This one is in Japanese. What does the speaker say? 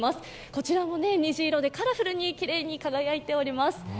こちら虹色でカラフルにきれいに輝いております。